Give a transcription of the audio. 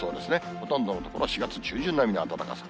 ほとんどの所、４月中旬並みの暖かさ。